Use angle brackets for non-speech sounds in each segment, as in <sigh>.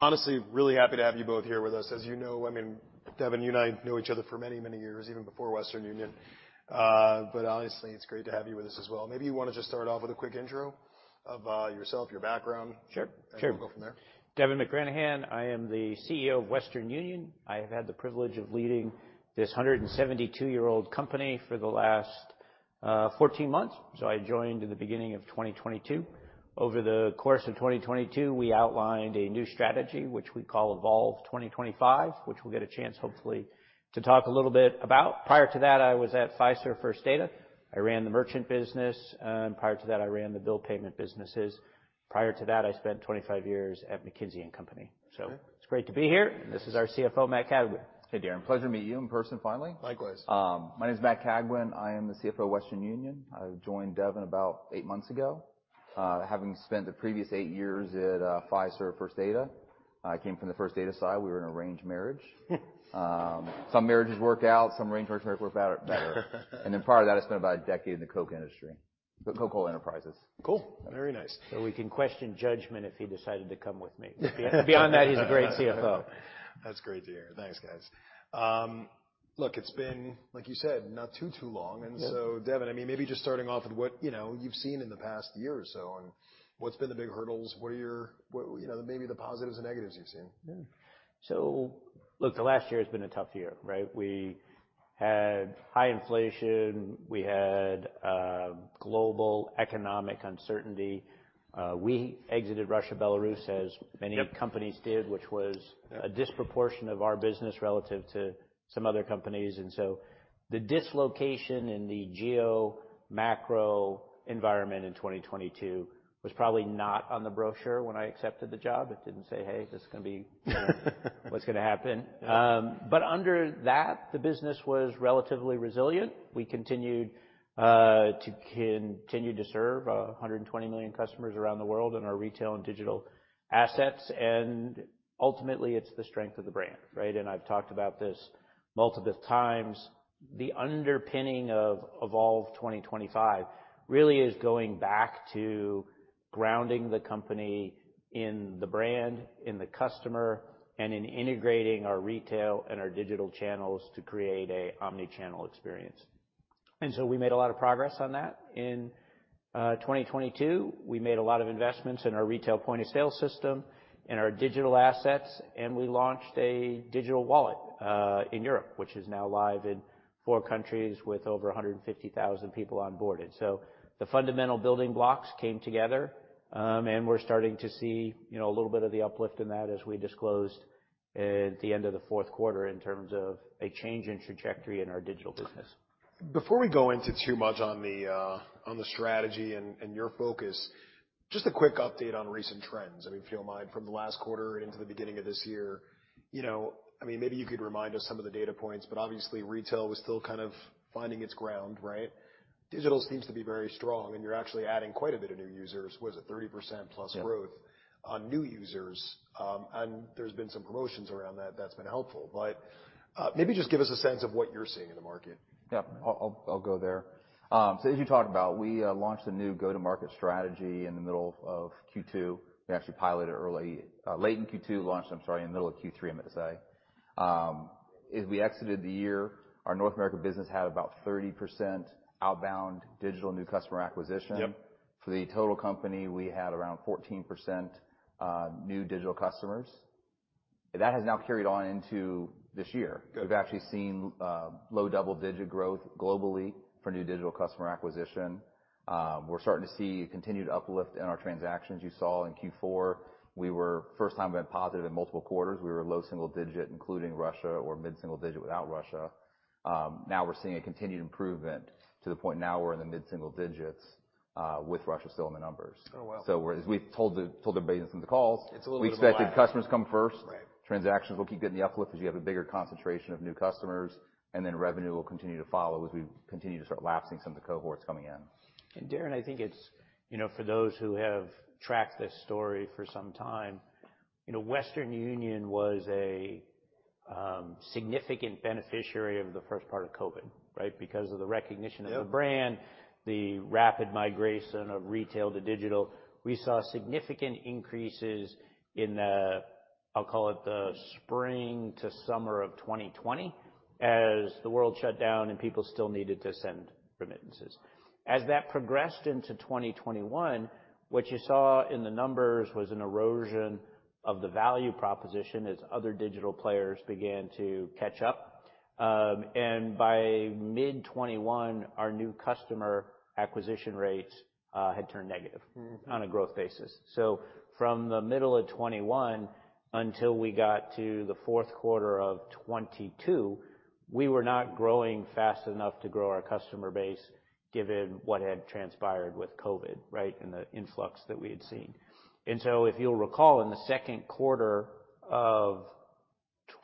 Honestly, really happy to have you both here with us. As you know, I mean, Devin, you and I have known each other for many, many years, even before Western Union. Honestly, it's great to have you with us as well. Maybe you wanna just start off with a quick intro of yourself, your background. Sure. Sure. We'll go from there. Devin McGranahan. I am the CEO of Western Union. I have had the privilege of leading this 172-year-old company for the last, 14 months, so I joined in the beginning of 2022. Over the course of 2022, we outlined a new strategy, which we call Evolve 2025, which we'll get a chance, hopefully, to talk a little bit about. Prior to that, I was at Fiserv First Data. I ran the merchant business, and prior to that, I ran the bill payment businesses. Prior to that, I spent 25 years at McKinsey & Company. Okay. It's great to be here. This is our CFO, Matt Cagwin. Hey, Darrin. Pleasure to meet you in person finally. Likewise. My name's Matt Cagwin. I am the CFO of Western Union. I joined Devin about eight months ago, having spent the previous eight years at Fiserv First Data. I came from the First Data side. We were an arranged marriage. Some marriages work out. Some arranged marriages work out better. Prior to that, I spent about a decade in the Coke industry. The Coca-Cola Enterprises. Cool. Very nice. We can question judgment if he decided to come with me. Beyond that, he's a great CFO. That's great to hear. Thanks, guys. Look, it's been, like you said, not too long. Devin, I mean, maybe just starting off with what, you know, you've seen in the past year or so, and what's been the big hurdles? What, you know, maybe the positives and negatives you've seen? Yeah. Look, the last year has been a tough year, right? We had high inflation, we had global economic uncertainty. We exited Russia, Belarus, as many companies did, which was a disproportion of our business relative to some other companies. The dislocation in the geomacro environment in 2022 was probably not on the brochure when I accepted the job. It didn't say, "Hey, this is gonna be what's gonna happen." Under that, the business was relatively resilient. We continued to serve 120 million customers around the world in our retail and digital assets, and ultimately, it's the strength of the brand, right? I've talked about this multiple times. The underpinning of Evolve 2025 really is going back to grounding the company in the brand, in the customer, and in integrating our retail and our digital channels to create an omnichannel experience. We made a lot of progress on that. In 2022, we made a lot of investments in our retail point of sale system, in our digital assets, and we launched a digital wallet in Europe, which is now live in four countries with over 150,000 people onboarded. The fundamental building blocks came together, and we're starting to see, you know, a little bit of the uplift in that as we disclosed at the end of the fourth quarter in terms of a change in trajectory in our digital business. Before we go into too much on the, on the strategy and your focus, just a quick update on recent trends, I mean, if you don't mind, from the last quarter into the beginning of this year. You know, I mean, maybe you could remind us some of the data points, but obviously retail was still kind of finding its ground, right? Digital seems to be very strong, and you're actually adding quite a bit of new users. What is it, 30% plus growth on new users. There's been some promotions around that that's been helpful. Maybe just give us a sense of what you're seeing in the market. Yeah. I'll go there. As you talked about, we launched a new go-to-market strategy in the middle of Q2. We actually piloted late in Q2, launched, I'm sorry, in the middle of Q3, I meant to say. As we exited the year, our North America business had about 30% outbound digital new customer acquisition. For the total company, we had around 14%, new digital customers. That has now carried on into this year. Good. We've actually seen low double-digit growth globally for new digital customer acquisition. We're starting to see a continued uplift in our transactions. You saw in Q4, we were first time going positive in multiple quarters. We were low single-digit, including Russia, or mid-single-digit without Russia. Now we're seeing a continued improvement to the point now we're in the mid-single-digits, with Russia still in the numbers. Oh, wow. As we've told the base in the calls. It's a little bit of a lag.... we expected customers come first. Right. Transactions will keep getting the uplift as you have a bigger concentration of new customers, and then revenue will continue to follow as we continue to start lapsing some of the cohorts coming in. Darrin, I think it's, you know, for those who have tracked this story for some time, you know, Western Union was a significant beneficiary of the first part of COVID, right? Because of the recognition of the brand- Yep... the rapid migration of retail to digital. We saw significant increases in the, I'll call it the spring to summer of 2020 as the world shut down and people still needed to send remittances. As that progressed into 2021, what you saw in the numbers was an erosion of the value proposition as other digital players began to catch up. By mid-2021, our new customer acquisition rates had turned negative on a growth basis. From the middle of 2021 until we got to the 4Q of 2022, we were not growing fast enough to grow our customer base given what had transpired with COVID, right, and the influx that we had seen. If you'll recall, in the 2Q of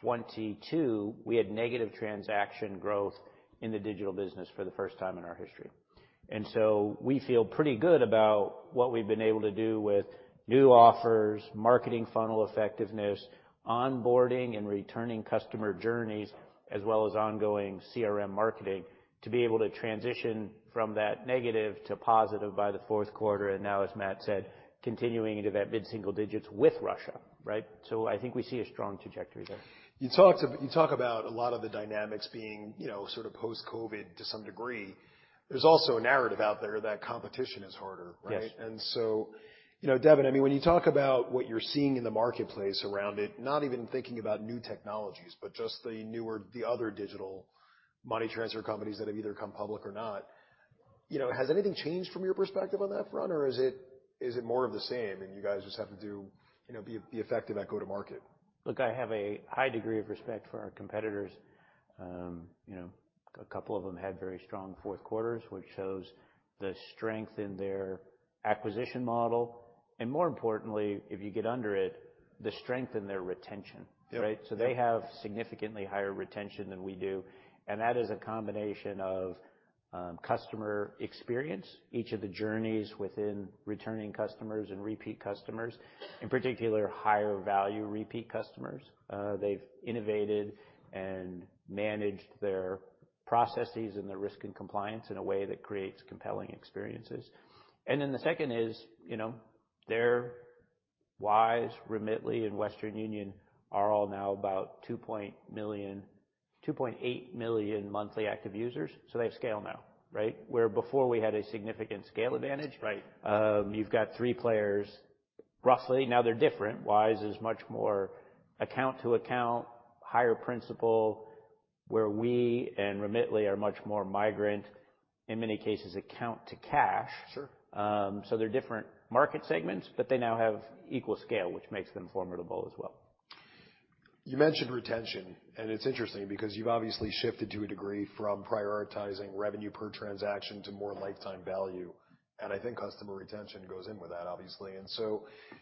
2022, we had negative transaction growth in the digital business for the first time in our history. We feel pretty good about what we've been able to do with new offers, marketing funnel effectiveness, onboarding and returning customer journeys, as well as ongoing CRM marketing to be able to transition from that negative to positive by the 4Q, now, as Matt said, continuing into that mid-single digits with Russia, right? I think we see a strong trajectory there. You talk about a lot of the dynamics being, you know, sort of post-COVID to some degree. There's also a narrative out there that competition is harder, right? Yes. You know, Devin, I mean, when you talk about what you're seeing in the marketplace around it, not even thinking about new technologies, but just the newer, the other digital money transfer companies that have either come public or not. You know, has anything changed from your perspective on that front, or is it more of the same, and you guys just have to do, you know, be effective at go to market? Look, I have a high degree of respect for our competitors. You know, a couple of them had very strong fourth quarters, which shows the strength in their acquisition model, and more importantly, if you get under it, the strength in their retention. Right? They have significantly higher retention than we do, and that is a combination of customer experience, each of the journeys within returning customers and repeat customers, in particular, higher value repeat customers. They've innovated and managed their processes and their risk and compliance in a way that creates compelling experiences. The second is, you know, Wise, Remitly, and Western Union are all now about 2.8 million monthly active users. They have scale now, right? Where before we had a significant scale advantage. Right. You've got three players, roughly. They're different. Wise is much more account to account, higher principle, where we and Remitly are much more migrant, in many cases, account to cash. Sure. They're different market segments, but they now have equal scale, which makes them formidable as well. You mentioned retention, and it's interesting because you've obviously shifted to a degree from prioritizing revenue per transaction to more lifetime value, and I think customer retention goes in with that, obviously.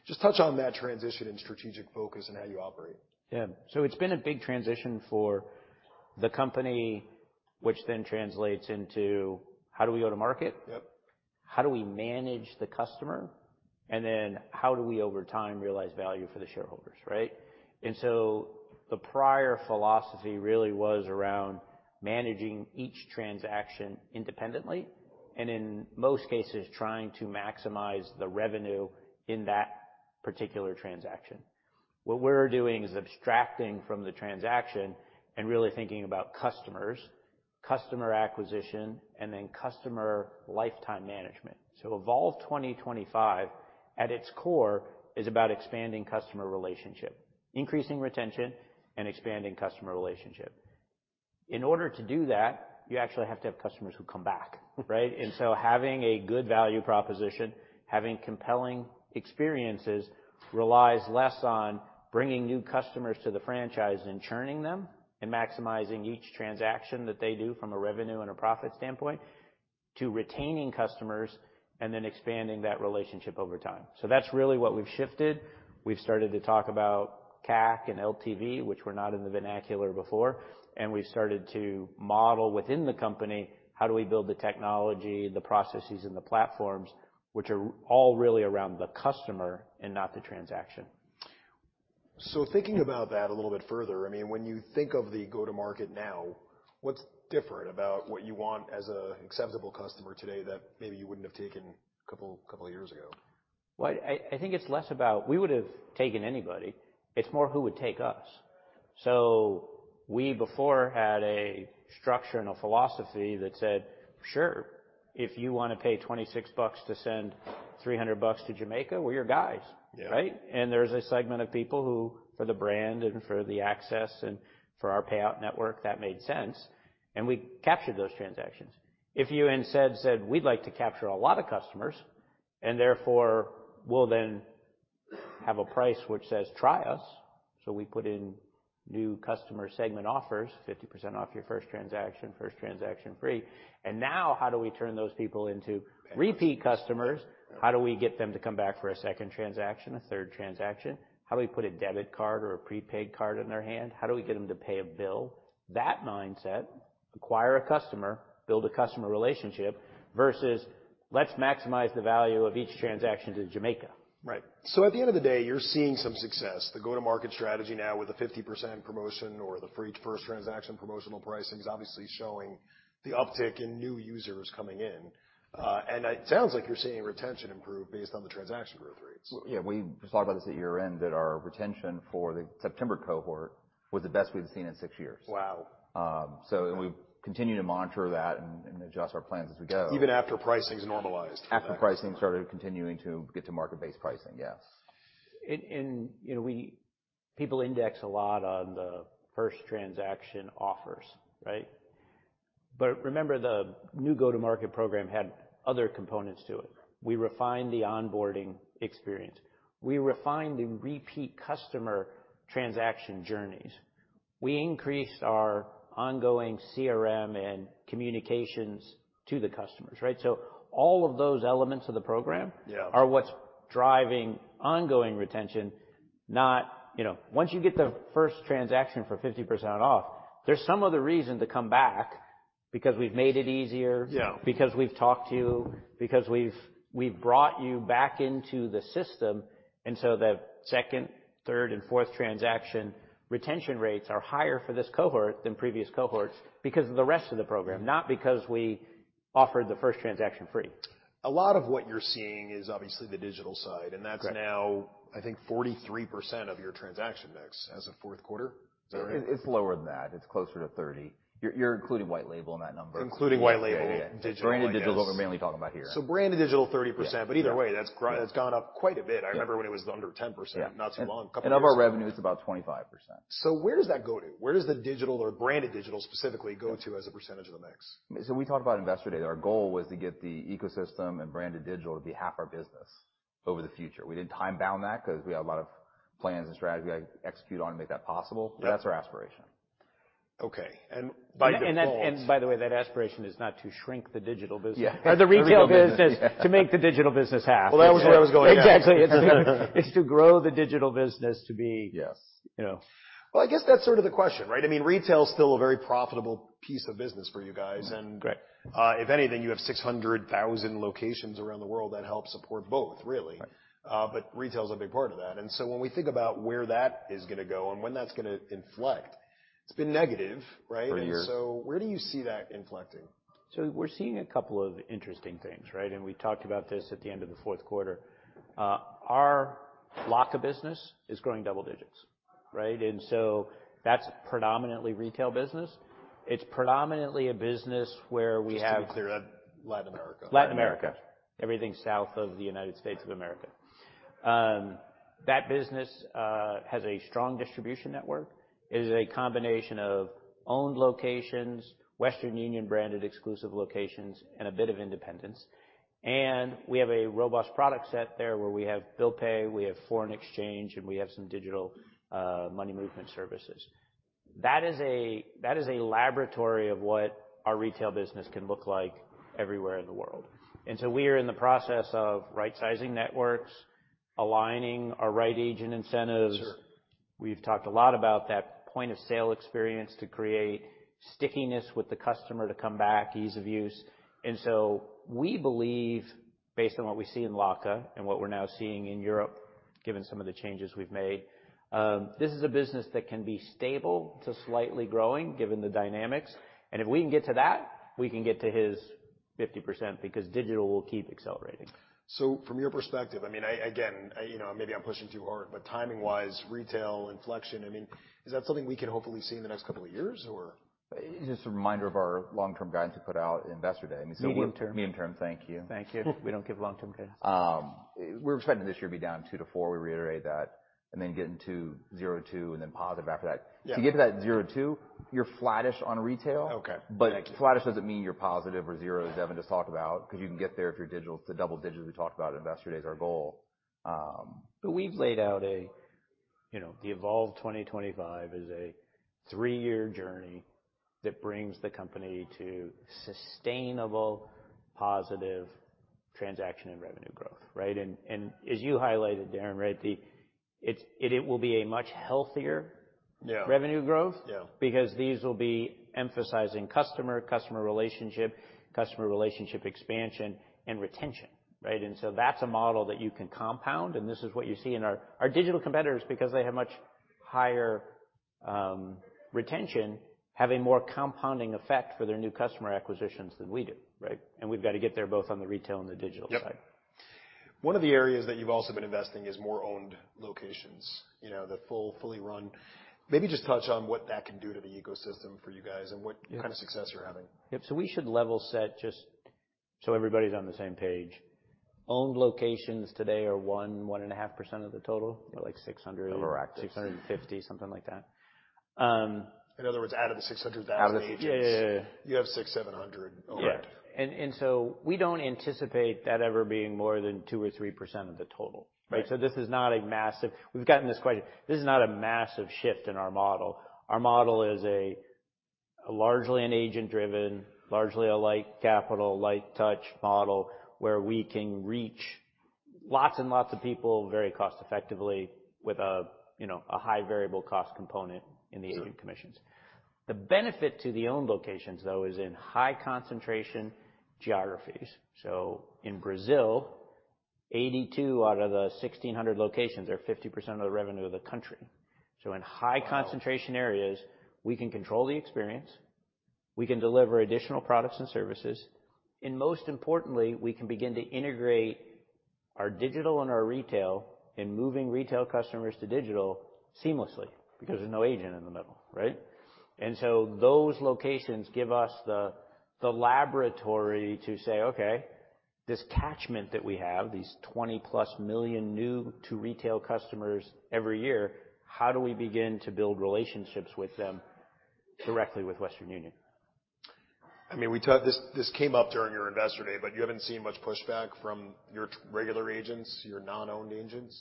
Just touch on that transition and strategic focus and how you operate. Yeah. It's been a big transition for the company, which then translates into how do we go to market. Yep. How do we manage the customer, and then how do we, over time, realize value for the shareholders, right? The prior philosophy really was around managing each transaction independently, and in most cases, trying to maximize the revenue in that particular transaction. What we're doing is abstracting from the transaction and really thinking about customers, customer acquisition, and then customer lifetime management. Evolve 2025, at its core, is about expanding customer relationship, increasing retention and expanding customer relationship. In order to do that, you actually have to have customers who come back, right? Having a good value proposition, having compelling experiences relies less on bringing new customers to the franchise and churning them and maximizing each transaction that they do from a revenue and a profit standpoint to retaining customers and then expanding that relationship over time. That's really what we've shifted. We've started to talk about CAC and LTV, which were not in the vernacular before, and we started to model within the company how do we build the technology, the processes and the platforms which are all really around the customer and not the transaction. Thinking about that a little bit further, I mean, when you think of the go-to-market now, what's different about what you want as a acceptable customer today that maybe you wouldn't have taken a couple of years ago? Well, I think it's less about we would have taken anybody. It's more who would take us. We before had a structure and a philosophy that said, "Sure, if you wanna pay $26 to send $300 to Jamaica, we're your guys. Yeah. Right? There's a segment of people who, for the brand and for the access and for our payout network, that made sense, and we captured those transactions. If you instead said, "We'd like to capture a lot of customers, and therefore we'll then have a price which says, 'Try us.'" We put in new customer segment offers, 50% off your first transaction, first transaction free. Now how do we turn those people into repeat customers? How do we get them to come back for a second transaction, a third transaction? How do we put a debit card or a prepaid card in their hand? How do we get them to pay a bill? That mindset, acquire a customer, build a customer relationship, versus let's maximize the value of each transaction to Jamaica. Right. At the end of the day, you're seeing some success. The go-to-market strategy now with a 50% promotion or the free first transaction promotional pricing is obviously showing the uptick in new users coming in. It sounds like you're seeing retention improve based on the transaction growth rates. Yeah, we talked about this at year-end, that our retention for the September cohort was the best we've seen in six years. Wow. We continue to monitor that and adjust our plans as we go. Even after pricing's normalized. After pricing started continuing to get to market-based pricing, yes. You know, people index a lot on the first transaction offers, right? Remember, the new go-to-market program had other components to it. We refined the onboarding experience. We refined the repeat customer transaction journeys. We increased our ongoing CRM and communications to the customers, right? All of those elements of the program. Yeah. are what's driving ongoing retention, not, you know. Once you get the first transaction for 50% off, there's some other reason to come back. We've made it easier- Yeah. Because we've talked to you, because we've brought you back into the system, the second, third, and fourth transaction retention rates are higher for this cohort than previous cohorts because of the rest of the program, not because we offered the first transaction free. A lot of what you're seeing is obviously the digital side. Correct. That's now, I think 43% of your transaction mix as of fourth quarter. Is that right? It's lower than that. It's closer to 30. You're including white label in that number. Including white label. Yeah, yeah. Digital and else. Branded Digital, we're mainly talking about here. Branded Digital, 30%. Yeah. Either way, that's gone up quite a bit. Yeah. I remember when it was under 10%. Yeah. Not too long. Couple years. Of our revenue, it's about 25%. Where does that go to? Where does the digital or Branded Digital specifically go to? As a percentage of the mix? We talked about Investor Day. Our goal was to get the ecosystem and Branded Digital to be half our business over the future. We didn't time-bound that, 'cause we had a lot of plans and strategy we had to execute on to make that possible. That's our aspiration. Okay. by default- That, and by the way, that aspiration is not to shrink the digital business. Yeah. The retail business. Everything. To make the digital business half. Well, that was where I was going. Exactly. It's, it's to grow the digital business. Yes. You know. I guess that's sort of the question, right? I mean, retail's still a very profitable piece of business for you guys. If anything, you have 600,000 locations around the world that help support both, really. Right. Retail's a big part of that. When we think about where that is gonna go and when that's gonna inflect, it's been negative, right? Per year. Where do you see that inflecting? We're seeing a couple of interesting things, right? We talked about this at the end of the fourth quarter. Our LACA business is growing double digits, right? That's predominantly retail business. It's predominantly a business where we have. Just to be clear, Latin America. Latin America. Everything south of the United States of America. That business has a strong distribution network. It is a combination of owned locations, Western Union branded exclusive locations, and a bit of independents. We have a robust product set there, where we have bill pay, we have foreign exchange, and we have some digital money movement services. That is a laboratory of what our retail business can look like everywhere in the world. We are in the process of right-sizing networks, aligning our right agent incentives. Sure. We've talked a lot about that point of sale experience to create stickiness with the customer to come back, ease of use. We believe, based on what we see in LACA and what we're now seeing in Europe, given some of the changes we've made, this is a business that can be stable to slightly growing, given the dynamics. If we can get to that, we can get to his 50%, because digital will keep accelerating. From your perspective, I mean, I, again, I, you know, maybe I'm pushing too hard, but timing-wise, retail inflection, I mean, is that something we can hopefully see in the next couple of years or? Just a reminder of our long-term guidance we put out in Investor Day. I mean. Medium-term. Medium-term. Thank you. Thank you. We don't give long-term guidance. We're expecting this year to be down 2%-4%. We reiterate that. Get into 0%-2% and then positive after that. Yeah. To get to that zero two, you're flattish on retail. Okay. Thank you. Flattish doesn't mean you're positive or zero, as Devin just talked about, 'cause you can get there if your digital's the double digits we talked about at Investor Day as our goal. We've laid out a, you know, the Evolve 2025 is a three-year journey that brings the company to sustainable positive transaction and revenue growth, right? As you highlighted, Darrin, right. It's, it will be a much healthier revenue growth. These will be emphasizing customer relationship, customer relationship expansion, and retention, right? That's a model that you can compound, and this is what you see in our digital competitors, because they have much higher retention, have a more compounding effect for their new customer acquisitions than we do, right? We've got to get there both on the retail and the digital side. Yep. One of the areas that you've also been investing is more owned locations, you know, the full, fully run. Maybe just touch on what that can do to the ecosystem for you guys and what kind of success you're having. Yeah. We should level set just so everybody's on the same page. Owned locations today are 1.5% of the total. They're like 600. Overactive. 650, something like that. In other words, out of the 600,000 agents. Out of it. Yeah, yeah. You have 6, 700 owned. Yeah. We don't anticipate that ever being more than 2% or 3% of the total, right? This is not a massive. We've gotten this question. This is not a massive shift in our model. Our model is a largely an agent-driven, largely a light-capital, light-touch model, where we can reach lots and lots of people very cost effectively with a, you know, a high variable cost component in the agent commissions. Sure. The benefit to the owned locations, though, is in high concentration geographies. In Brazil, 82 out of the 1,600 locations are 50% of the revenue of the country. In high concentration areas, we can control the experience, we can deliver additional products and services, most importantly, we can begin to integrate our digital and our retail in moving retail customers to digital seamlessly because there's no agent in the middle, right? Those locations give us the laboratory to say, "Okay, this catchment that we have, these 20-plus million new to retail customers every year, how do we begin to build relationships with them directly with Western Union? I mean, This came up during your Investor Day, but you haven't seen much pushback from your regular agents, your non-owned agents?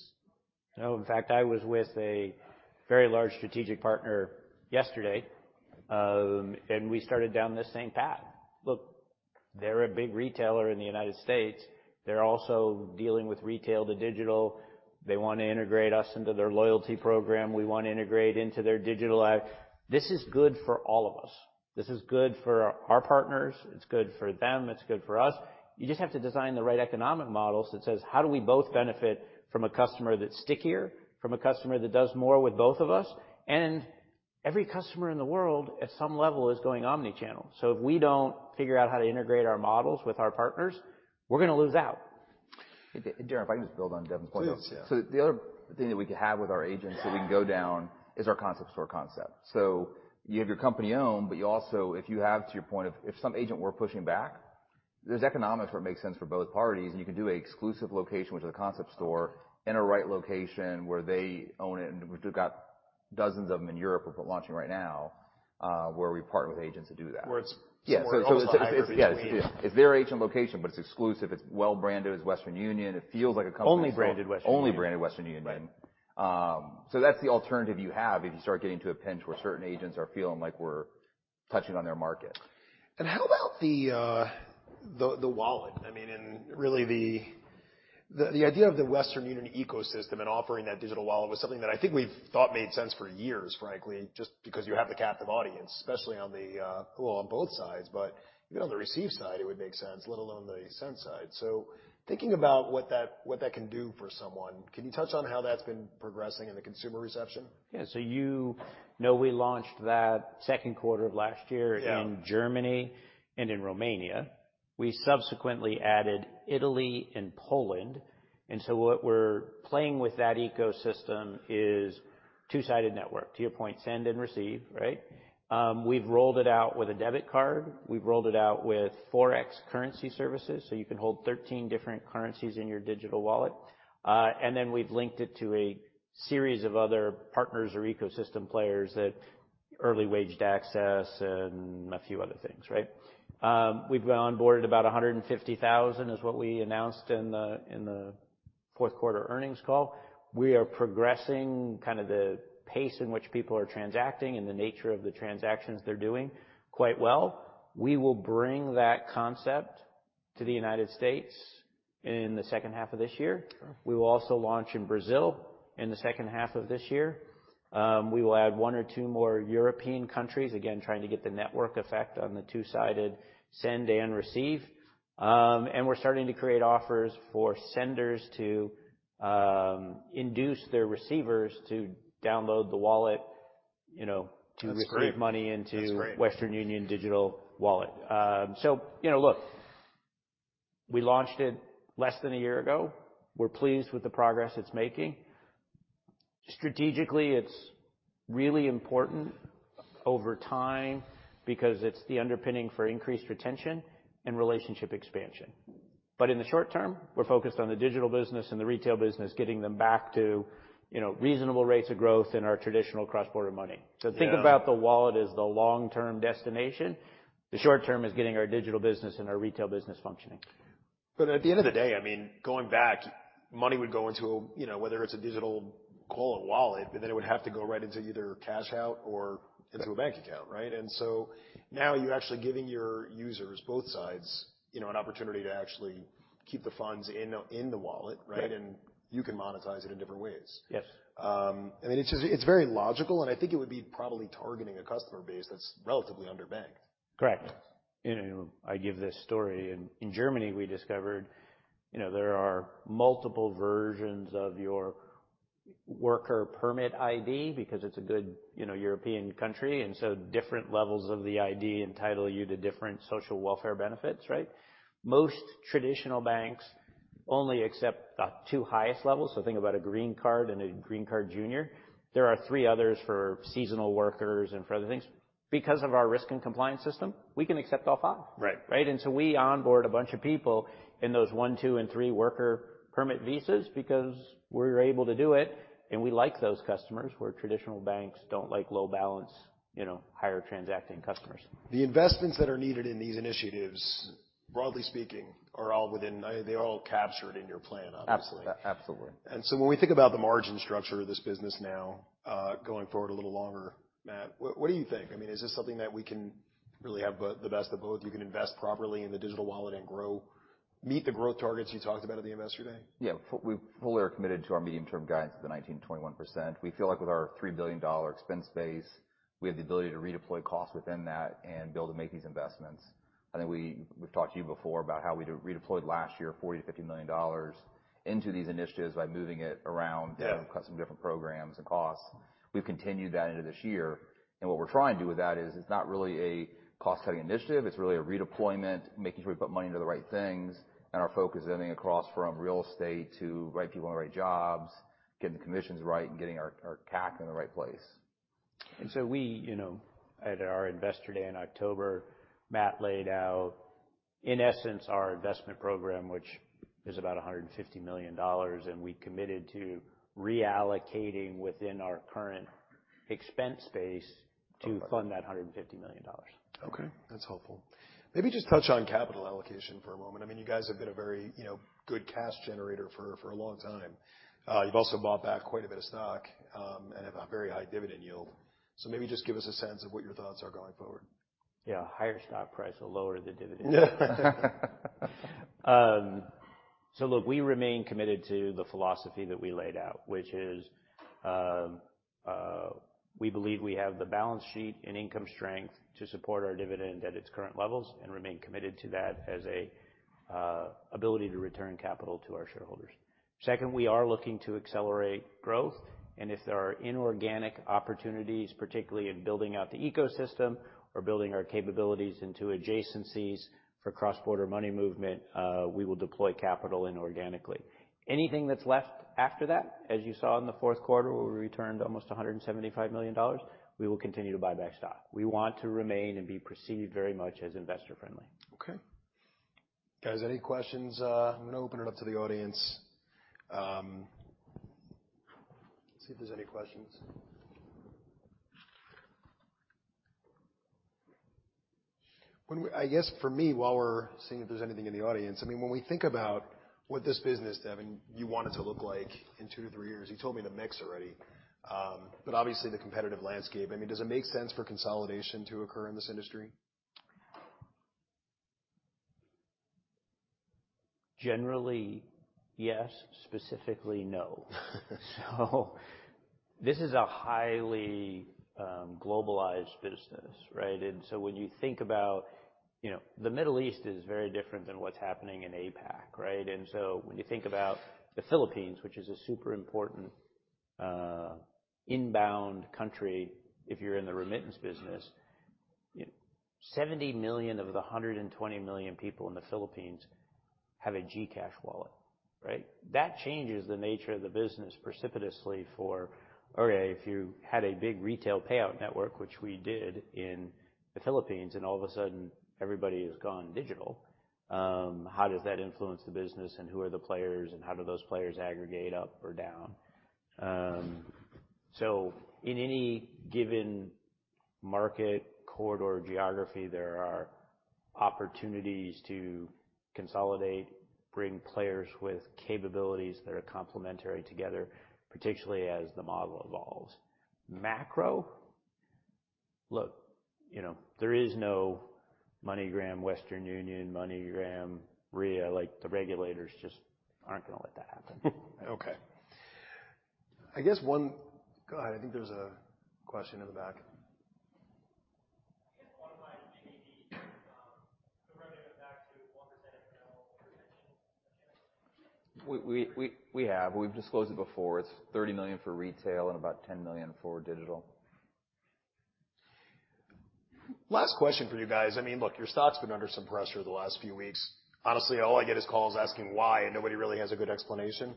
No. In fact, I was with a very large strategic partner yesterday, we started down this same path. They're a big retailer in the United States. They're also dealing with retail to digital. They wanna integrate us into their loyalty program. We wanna integrate into their digital app. This is good for all of us. This is good for our partners. It's good for them. It's good for us. You just have to design the right economic models that says, how do we both benefit from a customer that's stickier, from a customer that does more with both of us? Every customer in the world, at some level, is going omnichannel. If we don't figure out how to integrate our models with our partners, we're gonna lose out. Darrin, if I can just build on Devin's point. <audio distortion> The other thing that we can have with our agents that we can go down is our concept store concept. You have your company-owned, but you also, if you have to your point of if some agent were pushing back, there's economics where it makes sense for both parties, and you can do an exclusive location, which is a concept store, in a right location where they own it, and we've got dozens of them in Europe we're launching right now, where we partner with agents to do that. Where it's more also a hybrid between... Yeah. It's their agent location, but it's exclusive. It's well branded as Western Union. It feels like a company store. Only branded Western Union. Only branded Western Union. That's the alternative you have if you start getting to a pinch where certain agents are feeling like we're touching on their market. How about the wallet? I mean, really the idea of the Western Union ecosystem and offering that digital wallet was something that I think we've thought made sense for years, frankly, just because you have the captive audience, especially on the, well, on both sides, but even on the receive side, it would make sense, let alone the send side. Thinking about what that can do for someone, can you touch on how that's been progressing and the consumer reception? Yeah. you know we launched that second quarter of last year in Germany and in Romania. We subsequently added Italy and Poland. What we're playing with that ecosystem is two-sided network, to your point, send and receive, right? We've rolled it out with a debit card. We've rolled it out with forex currency services, so you can hold 13 different currencies in your digital wallet. We've linked it to a series of other partners or ecosystem players that early wage access and a few other things, right? We've now onboarded about 150,000 is what we announced in the, in the fourth quarter earnings call. We are progressing kind of the pace in which people are transacting and the nature of the transactions they're doing quite well. We will bring that concept to the United States in the second half of this year. Sure. We will also launch in Brazil in the second half of this year. We will add one or two more European countries, again, trying to get the network effect on the two-sided send and receive. We're starting to create offers for senders to induce their receivers to download the wallet, you know. That's great.... to receive money into. That's great. Western Union digital wallet. You know, look, we launched it less than a year ago. We're pleased with the progress it's making. Strategically, it's really important over time because it's the underpinning for increased retention and relationship expansion. In the short term, we're focused on the digital business and the retail business, getting them back to, you know, reasonable rates of growth in our traditional cross-border money. Think about the wallet as the long-term destination. The short term is getting our digital business and our retail business functioning. At the end of the day, I mean, going back, money would go into, you know, whether it's a digital, call it wallet, but then it would have to go right into either cash out or into a bank account, right? Now you're actually giving your users, both sides, you know, an opportunity to actually keep the funds in the wallet, right. You can monetize it in different ways. Yes. I mean, it's very logical, and I think it would be probably targeting a customer base that's relatively underbanked. Correct. You know, I give this story. In Germany, we discovered, you know, there are multiple versions of your worker permit ID because it's a good, you know, European country, and so different levels of the ID entitle you to different social welfare benefits, right? Most traditional banks only accept the two highest levels, so think about a green card and a green card junior. There are three others for seasonal workers and for other things. Because of our risk and compliance system, we can accept all five. Right. Right? We onboard a bunch of people in those one, two, and three worker permit visas because we're able to do it, and we like those customers, where traditional banks don't like low balance, you know, higher transacting customers. The investments that are needed in these initiatives, broadly speaking, are all captured in your plan, obviously. Abso-absolutely. When we think about the margin structure of this business now, going forward a little longer, Matt, what do you think? I mean, is this something that we can really have both, the best of both? You can invest properly in the digital wallet and grow, meet the growth targets you talked about at the Investor Day? Yeah. We fully are committed to our medium-term guidance of the 19%-21%. We feel like with our $3 billion expense base, we have the ability to redeploy costs within that and be able to make these investments. I think we've talked to you before about how we de-redeployed last year $40 million-$50 million into these initiatives by moving it around some different programs and costs. We've continued that into this year. What we're trying to do with that is it's not really a cost-cutting initiative. It's really a redeployment, making sure we put money into the right things, and our focus ending across from real estate to right people in the right jobs, getting the commissions right, and getting our CAC in the right place. We, you know, at our Investor Day in October, Matt laid out, in essence, our investment program, which is about $150 million, and we committed to reallocating within our current expense base to fund that $150 million. Okay. That's helpful. Maybe just touch on capital allocation for a moment. I mean, you guys have been a very, you know, good cash generator for a long time. You've also bought back quite a bit of stock, and have a very high dividend yield. Maybe just give us a sense of what your thoughts are going forward. Yeah, higher stock price will lower the dividend. Look, we remain committed to the philosophy that we laid out, which is, we believe we have the balance sheet and income strength to support our dividend at its current levels and remain committed to that as a ability to return capital to our shareholders. Second, we are looking to accelerate growth and if there are inorganic opportunities, particularly in building out the ecosystem or building our capabilities into adjacencies for cross-border money movement, we will deploy capital inorganically. Anything that's left after that, as you saw in the fourth quarter, where we returned almost $175 million, we will continue to buy back stock. We want to remain and be perceived very much as investor-friendly. Okay. Guys, any questions? I'm gonna open it up to the audience. Let's see if there's any questions. I guess for me, while we're seeing if there's anything in the audience, I mean, when we think about what this business, Devin, you want it to look like in two to three years, you told me the mix already. Obviously the competitive landscape. I mean, does it make sense for consolidation to occur in this industry? Generally, yes. Specifically, no. This is a highly globalized business, right? When you think about, you know, the Middle East is very different than what's happening in APAC, right? When you think about the Philippines, which is a super important inbound country, if you're in the remittance business. You know, 70 million of the 120 million people in the Philippines have a GCash wallet, right? That changes the nature of the business precipitously for, okay, if you had a big retail payout network, which we did in the Philippines, and all of a sudden everybody has gone digital, how does that influence the business and who are the players and how do those players aggregate up or down? In any given market corridor geography, there are opportunities to consolidate, bring players with capabilities that are complementary together, particularly as the model evolves. Macro? Look, you know, there is no MoneyGram, Western Union, MoneyGram, Ria. Like, the regulators just aren't gonna let that happen. Okay. I guess one. Go ahead. I think there's a question in the back. Can you just quantify GDB and the revenue back to 1% of no retention channels? We have. We've disclosed it before. It's $30 million for retail and about $10 million for digital. Last question for you guys. I mean, look, your stock's been under some pressure the last few weeks. Honestly, all I get is calls asking why, and nobody really has a good explanation.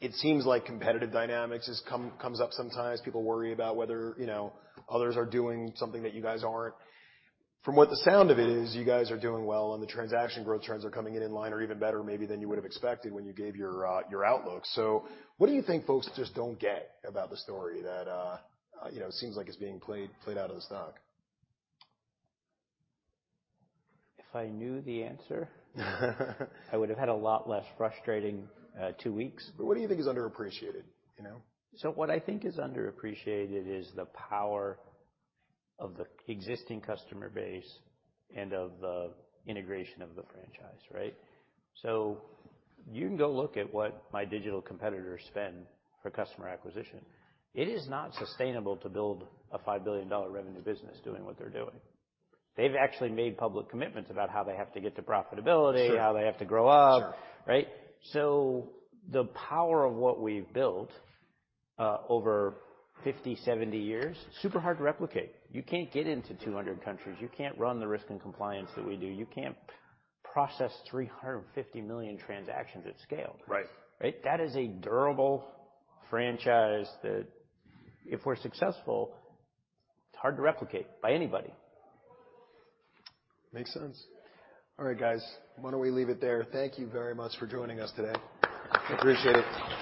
It seems like competitive dynamics comes up sometimes. People worry about whether, you know, others are doing something that you guys aren't. From what the sound of it is, you guys are doing well, and the transaction growth trends are coming in in line or even better maybe than you would have expected when you gave your outlook. What do you think folks just don't get about the story that, you know, seems like it's being played out of the stock? If I knew the answer, I would have had a lot less frustrating two weeks. What do you think is underappreciated, you know? What I think is underappreciated is the power of the existing customer base and of the integration of the franchise, right? You can go look at what my digital competitors spend for customer acquisition. It is not sustainable to build a $5 billion revenue business doing what they're doing. They've actually made public commitments about how they have to get to profitability. Sure. how they have to grow up. Sure. Right? The power of what we've built, over 50, 70 years, super hard to replicate. You can't get into 200 countries. You can't run the risk and compliance that we do. You can't process 350 million transactions at scale. Right. Right? That is a durable franchise that if we're successful, it's hard to replicate by anybody. Makes sense. All right, guys, why don't we leave it there? Thank you very much for joining us today. Appreciate it.